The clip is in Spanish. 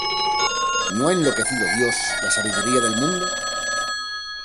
¿no ha enloquecido Dios la sabiduría del mundo?